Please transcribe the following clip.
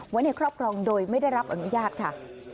ไว้ในครอบครองโดยไม่ได้รับอนุญาตค่ะ